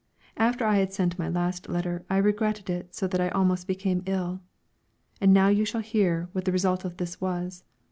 After I had sent my last letter I regretted it so that I almost became ill. And now you shall hear what the result of this was.